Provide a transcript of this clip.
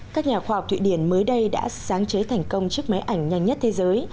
các nhà khoa học thụy điển mới đây đã sáng chế thành công chiếc máy ảnh nhanh nhất thế giới